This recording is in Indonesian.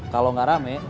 kalau gak rame